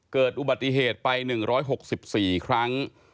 เกิดอุบัติเหตุไป๑๖๔ครั้ง